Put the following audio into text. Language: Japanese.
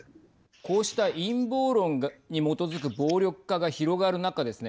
こうした陰謀論に基づく暴力化が広がる中ですね